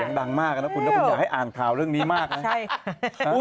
บทยังดังมากนะคุณแล้วคุณอยากให้อ่านข่าวเรื่องนี้มากนะ